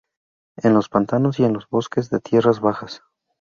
En los pantanos y los bosques de tierras bajas.